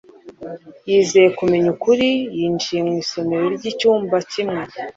Yizeye kumenya ukuri, yinjiye mu isomero ry'icyumba kimwe.